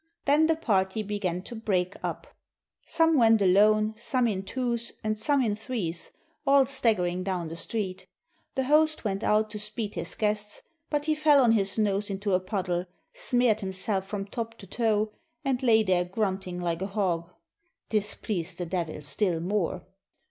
Then the party began to break up. Some went alone, some in twos, and some in threes, all staggering down the street. The host went out to speed his guests, but he fell on his nose into a puddle, smeared himself from top to toe, and lay there grunting like a hog. This pleased the Devil still more.